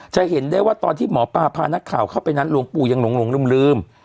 เห็นได้ว่าตอนที่หมอปลาพานักข่าวเข้าไปนั้นหลวงปู่ยังหลงลืม